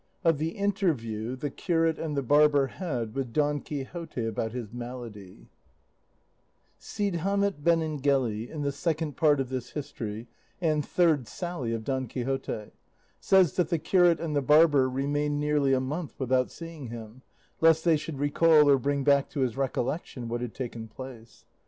OF THE INTERVIEW THE CURATE AND THE BARBER HAD WITH DON QUIXOTE ABOUT HIS MALADY Cide Hamete Benengeli, in the Second Part of this history, and third sally of Don Quixote, says that the curate and the barber remained nearly a month without seeing him, lest they should recall or bring back to his recollection what had taken place.